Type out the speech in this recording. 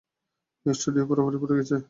এই স্টুডিও পুরোপুরি পুড়ে গেছে।